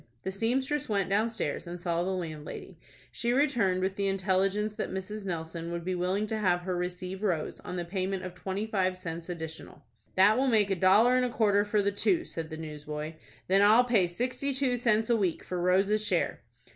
The seamstress went downstairs, and saw the landlady. She returned with the intelligence that Mrs. Nelson would be willing to have her receive Rose on the payment of twenty five cents additional. "That will make a dollar and a quarter for the two," said the newsboy. "Then I'll pay sixty two cents a week for Rose's share."